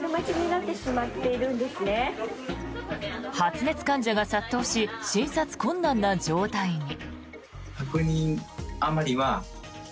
発熱患者が殺到し診察困難な状態に。